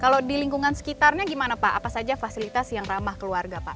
kalau di lingkungan sekitarnya gimana pak apa saja fasilitas yang ramah keluarga pak